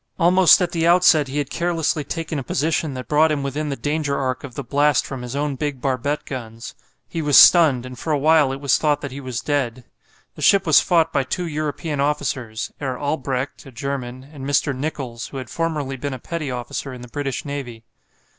Almost at the outset he had carelessly taken a position that brought him within the danger arc of the blast from his own big barbette guns. He was stunned, and for a while it was thought that he was dead. The ship was fought by two European officers, Herr Albrecht, a German, and Mr. Nicholls, who had formerly been a petty officer in the British navy.